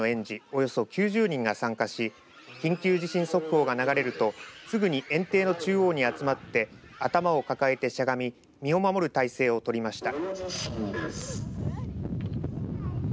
およそ９０人が参加し緊急地震速報が流れるとすぐに園庭の中央に集まって頭を抱えてしゃがみ身を守る体勢を取りました。